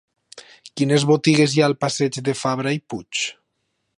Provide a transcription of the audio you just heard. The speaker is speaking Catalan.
Quines botigues hi ha al passeig de Fabra i Puig?